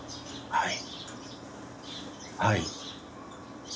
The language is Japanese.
はい。